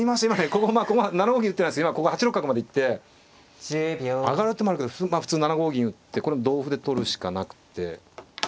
ここ７五銀打ってないですけど今８六角まで行って上がる手もあるけど普通７五銀打ってこれ同歩で取るしかなくて。